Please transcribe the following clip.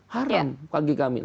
haram panggil kami